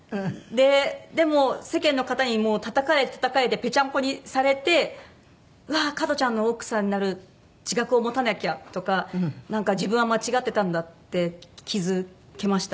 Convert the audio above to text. でも世間の方にもうたたかれてたたかれてペチャンコにされてうわー加トちゃんの奥さんになる自覚を持たなきゃとかなんか自分は間違ってたんだって気付けました。